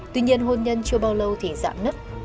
tuy nhiên hôn nhân chưa bao lâu thì dạng nứt